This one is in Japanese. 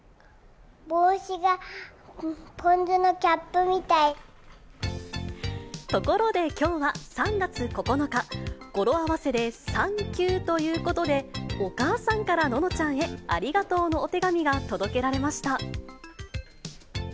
帽子がぽん酢のキャところできょうは、３月９日、語呂合わせでサンキューということで、お母さんからののちゃんへ、ありがとうのお手紙が届けられました。